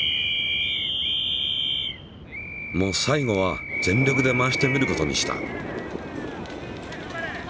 もう最後は全力で回してみることにした。